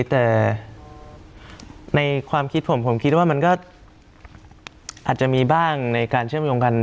แต่ในความคิดผมผมคิดว่ามันก็อาจจะมีบ้างในการเชื่อมโยงกัน